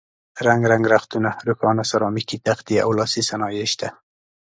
رنګ رنګ رختونه، روښانه سرامیکي تختې او لاسي صنایع شته.